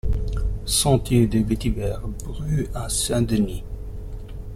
Sentier des Vetivers Bru à Saint-Denis